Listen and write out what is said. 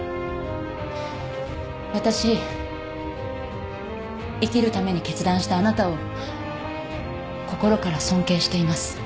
私生きるために決断したあなたを心から尊敬しています。